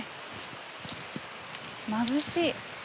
まぶしい。